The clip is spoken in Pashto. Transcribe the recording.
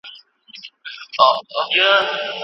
مادي کلتور په اقتصادي عواملو پوري اړه لري.